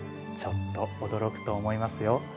ちょっと、驚くと思いますよ。